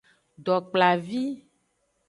Dokplavi.